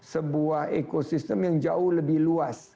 sebuah ekosistem yang jauh lebih luas